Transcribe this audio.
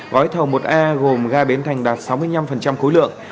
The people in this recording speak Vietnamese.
gói thầu một a gồm ga biến thành đạt sáu mươi năm cuối lượng